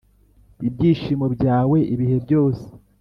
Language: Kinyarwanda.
ibyishimo byawe ibihe byose.